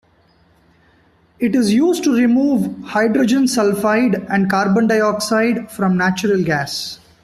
It is used to remove hydrogen sulfide and carbon dioxide from natural gas.